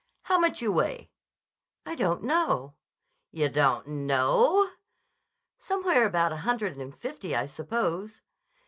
"How much you weigh?" "I don't know." "Yah don't know?" "Somewhere about a hundred and fifty, I suppose."